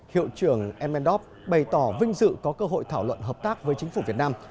hiệu trưởng emendorf bày tỏ vinh dự có cơ hội thảo luận hợp tác với chính phủ việt nam